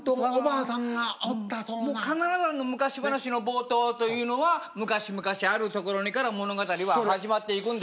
もう必ず「昔ばなし」の冒頭というのは「昔々あるところに」から物語は始まっていくんです。